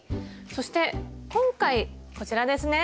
そして今回こちらですね！